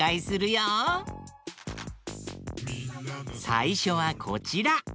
さいしょはこちら。